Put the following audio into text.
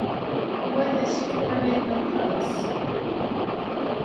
Wa d aseklu ɛlayen aṭas.